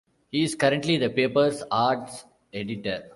He is currently the paper's arts editor.